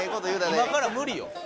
今から無理よ。